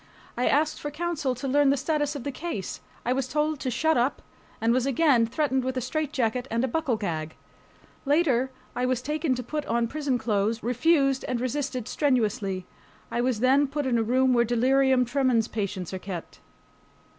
I asked for counsel to learn the status of the case. I was told to "shut up," and was again threatened with a straitjacket and a buckle gag. Later I was taken to put on prison clothes, refused and resisted strenuously. I was then put in a room where delirium tremens patients are kept.